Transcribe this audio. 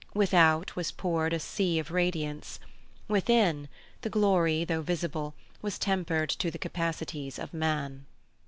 Without was poured a sea of radiance; within, the glory, though visible, was tempered to the capacities of man.